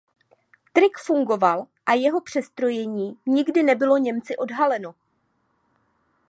Trik fungoval a jeho přestrojení nikdy nebylo Němci odhaleno.